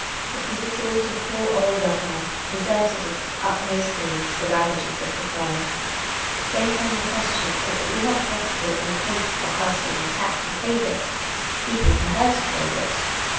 It was the thought of poor old Luckenough "deserted at its utmost need" to the ravages of the foe. Then came the question if it were not possible, in case of the house being attacked, to save it even for her to save it.